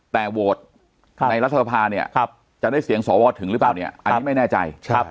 แต่โหวตในรัฐสภาเนี่ยจะได้เสียงสวถึงหรือเปล่าเนี่ยอันนี้ไม่แน่ใจ